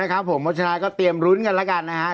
นะครับผมเบาะชนะยก็เตรียมรุ้นกันแล้วกันนะฮะ